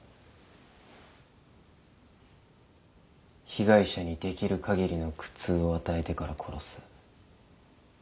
被害者にできる限りの苦痛を与えてから殺す。